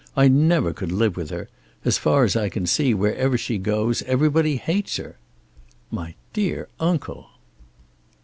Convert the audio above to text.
I never could live with her. As far as I can see wherever she goes everybody hates her." "My dear uncle!"